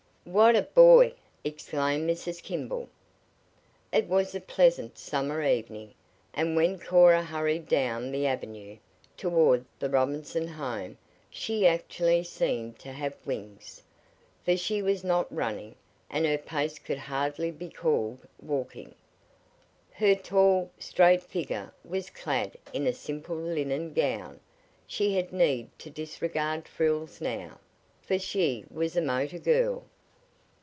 "What a boy!" exclaimed Mrs. Kimball. It was a pleasant, summer evening, and when Cora hurried down the avenue toward the Robinson home, she actually seemed to have wings. For she was not running, and her pace could hardly be called walking. Her tall, straight figure was clad in a simple linen gown. She had need to disregard frills now, for she was a motor girl.